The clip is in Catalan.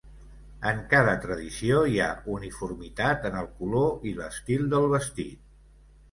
En cada tradició hi ha uniformitat en el color i l'estil del vestit.